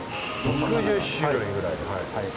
６０種類ぐらい。